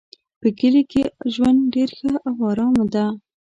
په کلي کې ژوند ډېر ښه او آرام ده